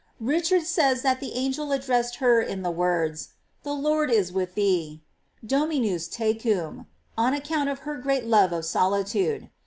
Richard says that the angel addressed her in the words, The Lord is with thee: "Dominustecum," on account of her great love of solitude.